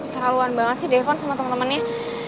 terlaluan banget sih depon sama temen temennya